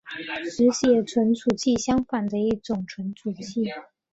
只写存储器相反的一种存储器。